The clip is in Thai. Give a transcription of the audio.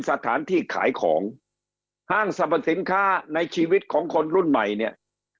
สถานที่ขายของห้างสรรพสินค้าในชีวิตของคนรุ่นใหม่เนี่ย